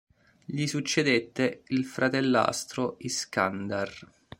Gli succedette il fratellastro Iskandar.